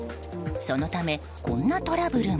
そのためこんなトラブルも。